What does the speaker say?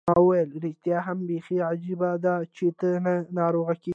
ما وویل: ریښتیا هم، بیخي عجبه ده، چي ته نه ناروغه کېږې.